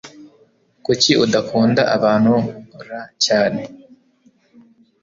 Kuki udakunda abantu ra cyane?